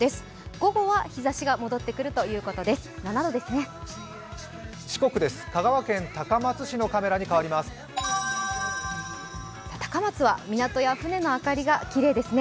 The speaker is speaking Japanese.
午後は日ざしが戻ってくるということです、７度ですね。